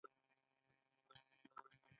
آیا او د نړۍ بریا نه ده؟